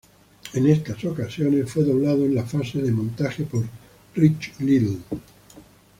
En estas ocasiones fue doblado en la fase de montaje por Rich Little.